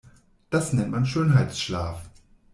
Das nennt man Schönheitsschlaf.